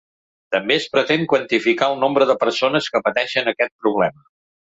També es pretén quantificar el nombre de persones que pateixen aquest problema.